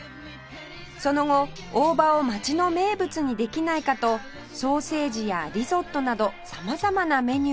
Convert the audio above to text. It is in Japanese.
その後大葉を街の名物にできないかとソーセージやリゾットなど様々なメニューを考案